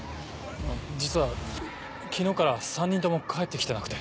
実は昨日から３人とも帰って来てなくて。